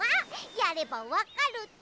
やればわかるって。